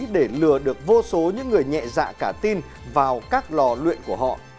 để lừa được vô số những người nhẹ dạ cả tin vào các lò luyện của họ